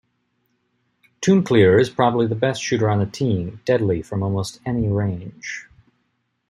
Tuncluer is probably the best shooter on the team, deadly from almost any range.